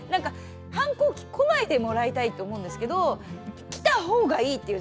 反抗期来ないでもらいたいって思うんですけど来たほうがいいっていうじゃないですか。